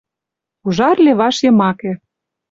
Ужар леваш йымаке